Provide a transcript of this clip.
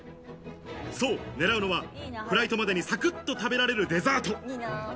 そう、狙うのは、フライトまでにさくっと食べられるデザート。